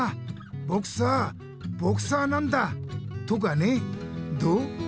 「ぼくさあボクサーなんだ」とかね！どう？